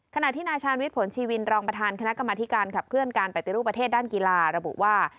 ขณะที่นายชาญวิทย์ผลชีวินรองประธานคณะกรรมธิการขับเคลื่อนการปฏิรูปประเทศด้านกีฬาระบุว่า